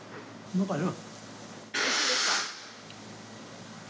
おいしいですか？